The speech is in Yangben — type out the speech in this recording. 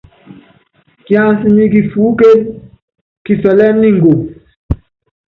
Kiansɛ nyɛ kifuúkén, kifɛlɛ́n ni ngoŋ.